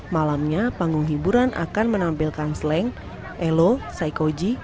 malamnya panggung hiburan akan menampilkan sleng elo saikoji